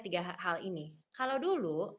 tiga hal ini kalau dulu